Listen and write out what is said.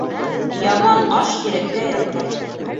Яман аш йөрәккә ятмаҫ